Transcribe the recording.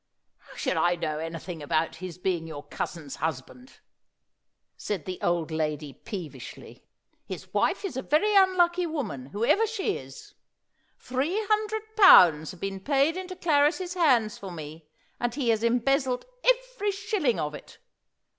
"How should I know anything about his being your cousin's husband?" said the old lady peevishly. "His wife is a very unlucky woman, whoever she is. Three hundred pounds have been paid into Clarris's hands for me, and he has embezzled every shilling of it.